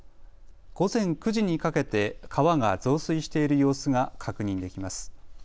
午前９時にかけて川が増水している様子が確認できます。